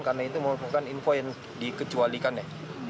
karena itu merupakan info yang dikecualikannya